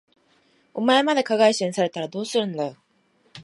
お前まで加害者にされたらどうするんだよ。